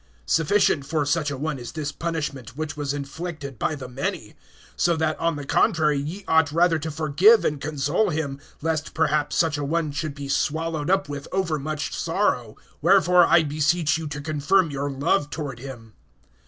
(6)Sufficient for such a one is this punishment, which was inflicted by the many. (7)So that, on the contrary, ye ought rather to forgive and console him, lest perhaps such a one should be swallowed up with overmuch sorrow. (8)Wherefore I beseech you to confirm your love toward him.